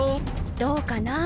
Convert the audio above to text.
どうかなぁ？